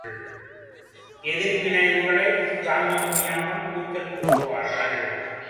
எதிர்விளைவுகளைத் தாங்கமுடியாமல் கூச்சல் போடுவார்கள்!